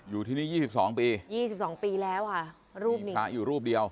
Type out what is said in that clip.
อยู่ที่นี่๒๒ปี๒๒ปีแล้วค่ะรูปนี้พระอยู่รูปเดียว